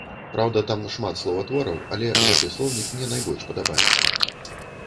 Праўда, там шмат словатвораў, але гэты слоўнік мне найбольш падабаецца.